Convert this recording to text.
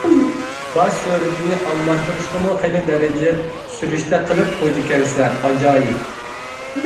باش سۈرىتىنى ئالماشتۇرۇشقىمۇ خىلى دەرىجە سۈرۈشتە قىلىپ قويىدىكەنسىلەر، ئاجايىپ.